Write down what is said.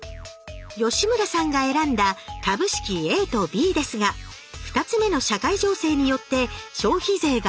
吉村さんが選んだ株式ＡとＢですが２つ目の社会情勢によって消費税が増税。